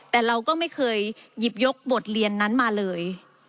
แต่เราก็ไม่เคยหยิบยกบทเรียนนั้นมาเลย